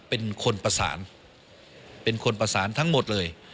เป็นคนประสานเป็นคนประสานทั้งหมดเลย